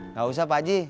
nggak usah pak ji